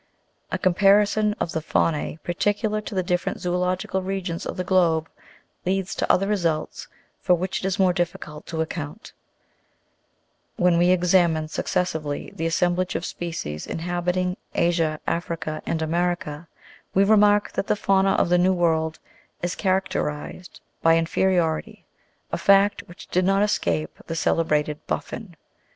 A comparison of the faunae peculiar to the different zoological regions of the globe leads to other results for which it is more difficult to account ; when we examine successively the assem blage of species inhabiting Asia, Africa, and America, we remark that the fauna of the New World is characterized by inferiority, a fact which did not escape the celebrated Buffon.